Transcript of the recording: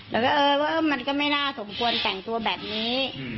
แล้วก็เออว่ามันก็ไม่น่าสมควรแต่งตัวแบบนี้